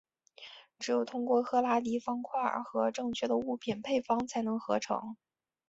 只有通过赫拉迪方块和正确的物品配方才能合成。